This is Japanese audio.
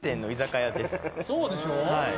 そうでしょ？